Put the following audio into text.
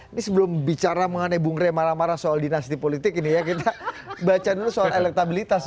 ini sebelum bicara mengenai bung rey marah marah soal dinasti politik ini ya kita baca dulu soal elektabilitas